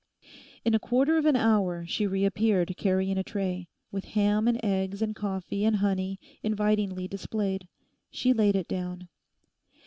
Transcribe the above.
In a quarter of an hour she reappeared carrying a tray, with ham and eggs and coffee and honey invitingly displayed. She laid it down.